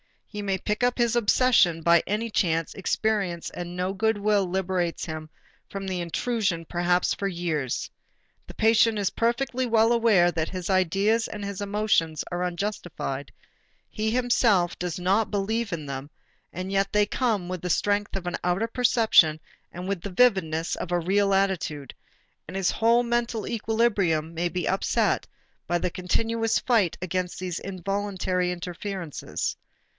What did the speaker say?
He may pick up his obsession by any chance experience and no good will liberates him from the intrusion perhaps for years. The patient is perfectly well aware that his ideas and his emotions are unjustified, he himself does not believe in them, and yet they come with the strength of an outer perception and with the vividness of a real attitude, and his whole mental equilibrium may be upset by the continuous fight against these involuntary interferences.